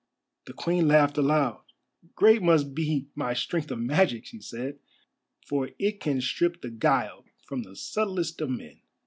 The Queen laughed aloud. "Great must be my strength of magic," she said, "for it can strip the guile from the subtlest of men.